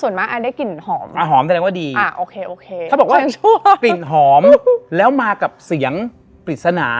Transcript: ถ้าบอกว่ากลิ่นหอมแล้วมากับเสียงปริศนา